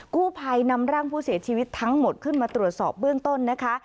กู้ภัยนำร่างผู้เสียชีวิตทั้งหมดขึ้นมาตรวจสอบเบื้องต้นนะคะ